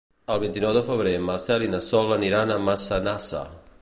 El vint-i-nou de febrer en Marcel i na Sol aniran a Massanassa.